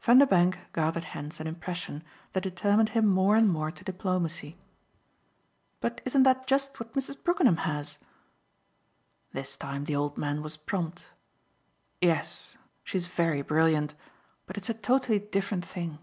Vanderbank gathered hence an impression that determined him more and more to diplomacy. "But isn't that just what Mrs. Brookenham has?" This time the old man was prompt. "Yes, she's very brilliant, but it's a totally different thing."